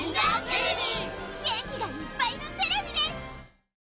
元気がいっぱいのテレビです！